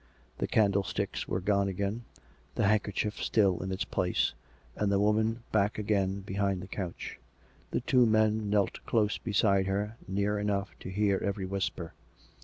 The candlesticks were gone again; the handkerchief still in its place, and the woman back again behind the couch. The two men kneeled close beside her, near enougli to hear every whisper.